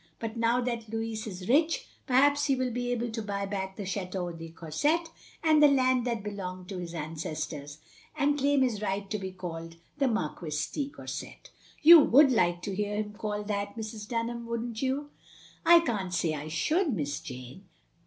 "But now that Louis is rich, perhaps he will be able to buy back the Chateau de Courset, and the land that belonged to his ancestors, and claim his right to be called the Marquis de Courset. You would like to hear him called that, Mrs. Dunham, would n't you?" "I can't say I should. Miss Jane."